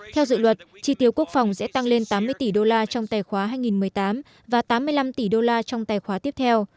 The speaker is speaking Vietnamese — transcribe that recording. theo dự luật chi tiêu quốc phòng sẽ tăng lên tám mươi tỷ đô la trong tài khoá hai nghìn một mươi tám và tám mươi năm tỷ đô la trong tài khoá tiếp theo